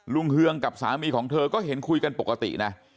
เฮืองกับสามีของเธอก็เห็นคุยกันปกตินะ